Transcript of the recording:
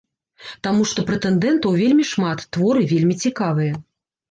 Таму што прэтэндэнтаў вельмі шмат, творы вельмі цікавыя.